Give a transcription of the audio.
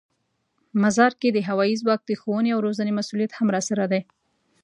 مزار کې د هوايي ځواک د ښوونې او روزنې مسوولیت هم راسره دی.